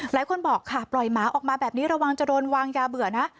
หลายคนบอกค่ะปล่อยหมาออกมาแบบนี้ระวังจะโดนวางยาเบื่อนะ